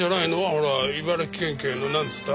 ほら茨城県警のなんつった？